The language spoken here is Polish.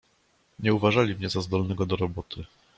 "Nie uważali mnie za zdolnego do roboty."